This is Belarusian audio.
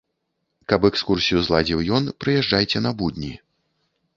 Каб экскурсію зладзіў ён, прыязджайце на будні.